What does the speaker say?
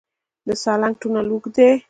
د سالنګ تونل اوږد دی